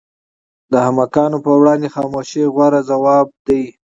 د احمقانو پر وړاندې خاموشي غوره ځواب دی.